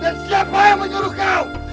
siapa yang menyuruh kau